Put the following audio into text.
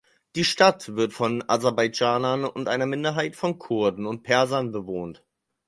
Die Stadt wird von Aserbaidschanern und einer Minderheit von Kurden und Persern bewohnt.